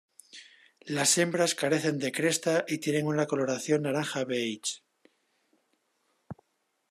Las hembras carecen de cresta y tienen una coloración naranja-beige.